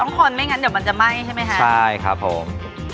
คนไม่งั้นเดี๋ยวมันจะไหม้ใช่ไหมคะใช่ครับผม